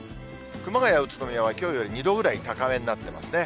熊谷、宇都宮はきょうより２度ぐらい高めになってますね。